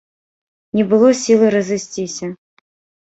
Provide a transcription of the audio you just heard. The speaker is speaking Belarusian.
Не было сілы разысціся.